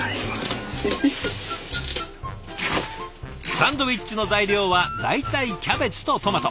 サンドイッチの材料は大体キャベツとトマト。